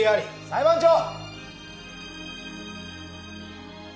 裁判長！